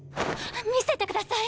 見せてください！